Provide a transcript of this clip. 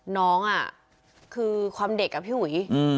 น้องอ่ะคือความเด็กกับพี่หุย